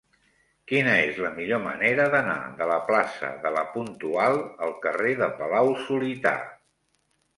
Quina és la millor manera d'anar de la plaça de La Puntual al carrer de Palau-solità?